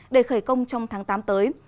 để khởi công trong tháng tám tới